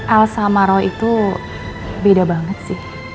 al sama roy itu beda banget sih